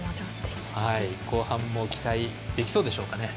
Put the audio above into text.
後半も期待できそうでしょうかね。